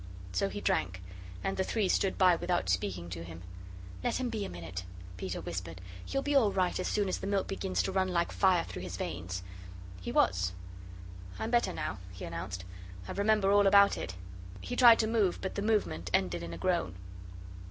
So he drank. And the three stood by without speaking to him. "Let him be a minute," Peter whispered; "he'll be all right as soon as the milk begins to run like fire through his veins." He was. "I'm better now," he announced. "I remember all about it." He tried to move, but the movement ended in a groan.